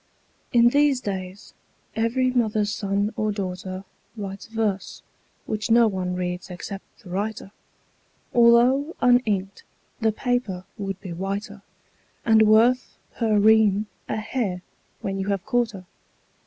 . IN these days, every mother's son or daughter Writes verse, which no one reads except the writer, Although, uninked, the paper would be whiter, And worth, per ream, a hare, when you have caught her.